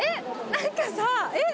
何かさえっ？